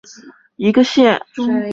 金洞县是越南兴安省下辖的一个县。